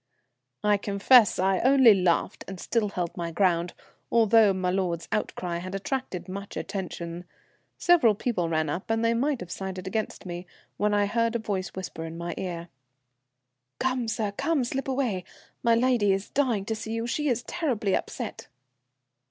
I confess I only laughed and still held my ground, although my lord's outcry had attracted much attention. Several people ran up, and they might have sided against me, when I heard a voice whisper into my ear: "Come, sir, come. Slip away. My lady is dying to see you. She is terribly upset."